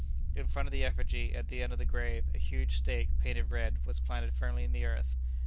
In front of the effigy, at the end of the grave, a huge stake, painted red, was planted firmly in the earth.